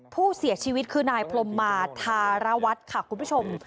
ผู้เสียชีวิตคือนายพรมมาธารวัตรค่ะคุณผู้ชม